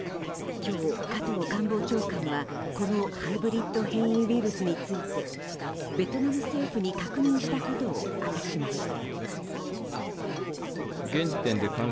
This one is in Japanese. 今日、加藤官房長官はこのハイブリッド変異ウイルスについてベトナム政府に確認したことを明かしました。